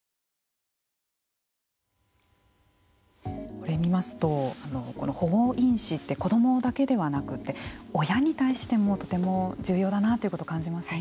これ見ますと保護因子って子どもだけではなくて親に対してもとても重要だなということを感じますね。